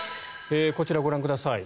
こちら、ご覧ください。